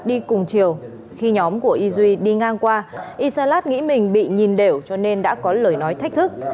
đi cùng chiều khi nhóm của y duy đi ngang qua y salat nghĩ mình bị nhìn đều cho nên đã có lời nói thách thức